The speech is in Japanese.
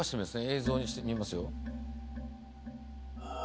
映像にして見ますよ